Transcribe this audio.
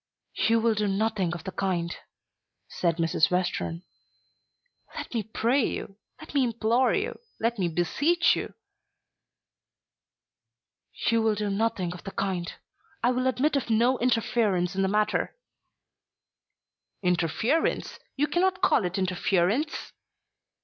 "You will do nothing of the kind," said Mrs. Western. "Let me pray you. Let me implore you. Let me beseech you." "You will do nothing of the kind. I will admit of no interference in the matter." "Interference! You cannot call it interference."